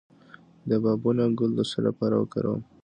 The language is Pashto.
د بابونه ګل د څه لپاره وکاروم؟